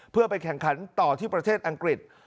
เพื่อไปแข่งขันต่อที่ประเทศอังกฤษ